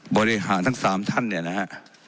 บริหารทั้ง๓ท่านเนี่ยนะฮะ